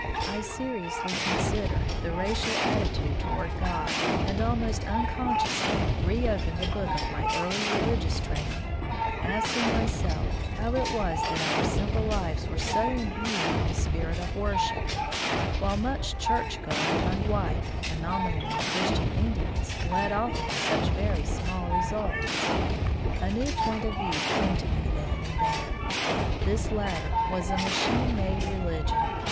I seriously considered the racial attitude toward God, and almost uncon sciously reopened the book of my early religious training, asking myself how it was that our simple lives were so imbued with the spirit of worship, while much church going among white and nominally Christian Indians led often to such very small results. A new point of view came to me then and there. This latter was a machine made religion.